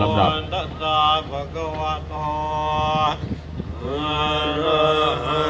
อธินาธาเวระมะนิสิขาปะทังสมาธิยามี